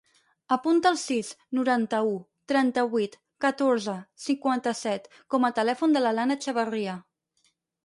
Apunta el sis, noranta-u, trenta-vuit, catorze, cinquanta-set com a telèfon de l'Alana Etxebarria.